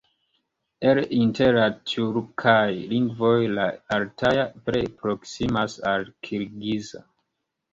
El inter la tjurkaj lingvoj la altaja plej proksimas al la kirgiza.